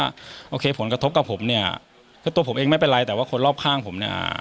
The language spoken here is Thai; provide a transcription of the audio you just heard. โอเคผลกระทบกับผมเนี่ยคือตัวผมเองไม่เป็นไรแต่ว่าคนรอบข้างผมเนี่ย